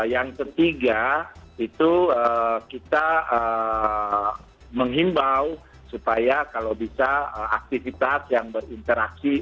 yang ketiga itu kita menghimbau supaya kalau bisa aktivitas yang berinteraksi